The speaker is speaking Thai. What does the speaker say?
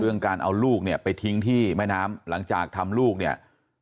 การเอาลูกเนี่ยไปทิ้งที่แม่น้ำหลังจากทำลูกเนี่ย